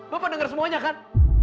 bapak dengar semuanya kan